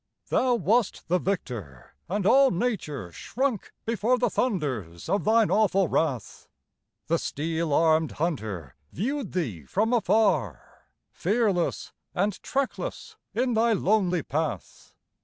Thou wast the victor, and all nature shrunk Before the thunders of thine awful wrath; The steel armed hunter viewed thee from afar, Fearless and trackless in thy lonely path!